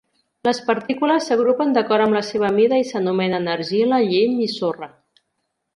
Les partícules s'agrupen d'acord amb la seva mida i s'anomenen argila, llim i sorra.